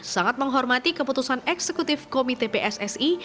sangat menghormati keputusan eksekutif komite pssi